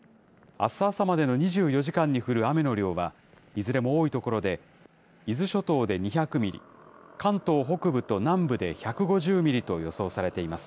あす朝までの２４時間に降る雨の量は、いずれも多い所で、伊豆諸島で２００ミリ、関東北部と南部で１５０ミリと予想されています。